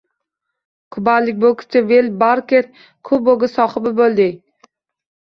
Kubalik bokschi Vel Barker kubogi sohibi bo‘lding